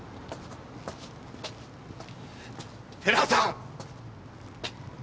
寺さん！